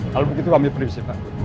kalau begitu kami prinsip pak